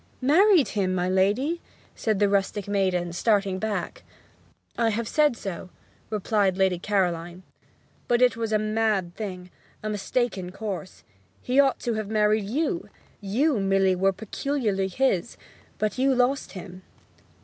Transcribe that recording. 'Married him, my lady!' said the rustic maiden, starting back. 'I have said so,' replied Lady Caroline. 'But it was a mad thing, and a mistaken course. He ought to have married you. You, Milly, were peculiarly his. But you lost him.'